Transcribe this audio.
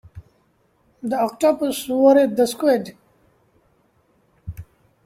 The octopus worried the squid.